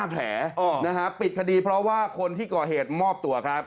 ๕แผลปิดคดีเพราะว่าคนที่ก่อเหตุมอบตัวครับ